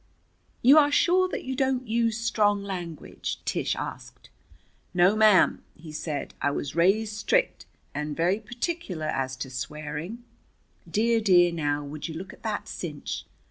"You are sure that you don't use strong language?" Tish asked. "No, ma'am," he said. "I was raised strict, and very particular as to swearing. Dear, dear now, would you look at that cinch!